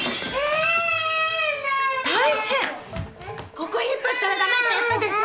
ここ引っ張ったらダメって言ったでしょ！